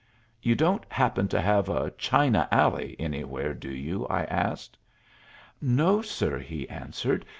"You don't happen to have a china alley anywhere, do you?" I asked. "No, sir," he answered.